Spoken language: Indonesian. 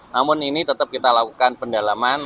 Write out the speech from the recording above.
namun ini tetap kita lakukan pendalaman